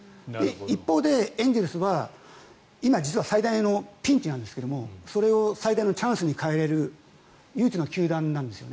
一方でエンゼルスは今、実は最大のピンチなんですがそれを最大のチャンスに変えられる唯一の球団なんです。